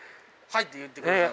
「はい」って言ってくれた。